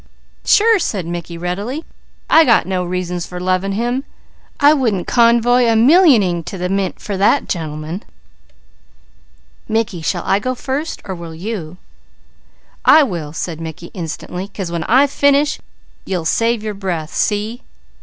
"Sure!" said Mickey readily. "I got no reasons for loving him. I wouldn't convoy a millying to the mint for that gentleman!" "Mickey, shall I go first, or will you?" "I will," replied Mickey instantly, "'cause when I finish you'll save your breath. See?"